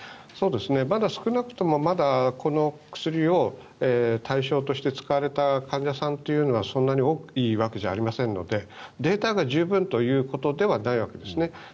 まだ少なくとも、この薬を対象として使われた患者さんというのはそんなに多いわけじゃありませんのでデータが十分ということではないわけですね。